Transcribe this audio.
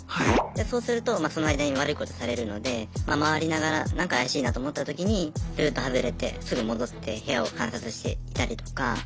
そうするとその間に悪いことされるので回りながらなんか怪しいなと思ったときにルート外れてすぐ戻って部屋を観察していたりとか。